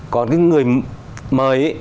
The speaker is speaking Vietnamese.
còn cái người mời ấy